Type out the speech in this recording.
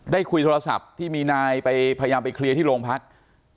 คุยโทรศัพท์ที่มีนายไปพยายามไปเคลียร์ที่โรงพัก